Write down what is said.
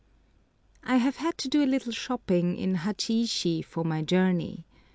I HAVE had to do a little shopping in Hachiishi for my journey.